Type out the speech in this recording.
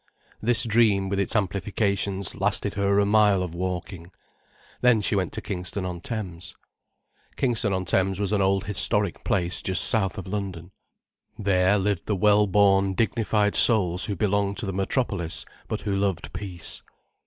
This dream, with its amplifications, lasted her a mile of walking. Then she went to Kingston on Thames. Kingston on Thames was an old historic place just south of London. There lived the well born dignified souls who belonged to the metropolis, but who loved peace.